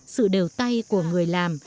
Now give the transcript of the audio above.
sự đều tay của người làm